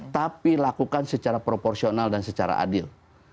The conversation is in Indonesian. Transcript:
tapi lakukan secara proporsional dan secara adil